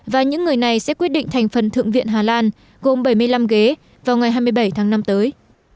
và những người này sẽ quyết định thành phần thượng viện hà lan gồm bảy mươi năm ghế vào ngày hai mươi bảy tháng năm tới